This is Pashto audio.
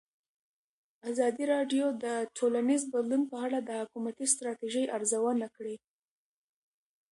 ازادي راډیو د ټولنیز بدلون په اړه د حکومتي ستراتیژۍ ارزونه کړې.